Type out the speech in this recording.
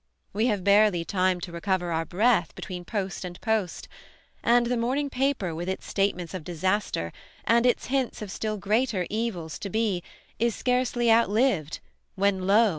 We have barely time to recover our breath between post and post; and the morning paper with its statements of disaster and its hints of still greater evils to be, is scarcely out lived, when, lo!